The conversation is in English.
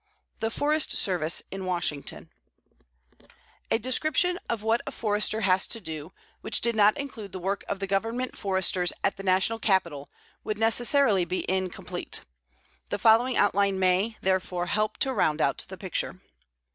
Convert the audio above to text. THE FOREST SERVICE IN WASHINGTON A description of what a Forester has to do which did not include the work of the Government Foresters at the National Capital would necessarily be incomplete. The following outline may, therefore, help to round out the picture.